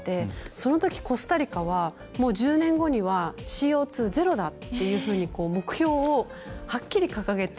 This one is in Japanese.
そのとき、コスタリカはもう１０年後にはＣＯ２ゼロだっていうふうに目標をはっきり、掲げて。